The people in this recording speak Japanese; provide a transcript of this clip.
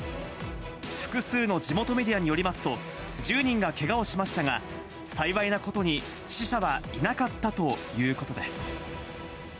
複数の地元メディアによりますと、１０人がけがをしましたが、幸いなことに死者はいなかったということです。